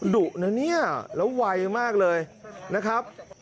ดุนะเนี่ยแล้วไวมากเลยนะครับ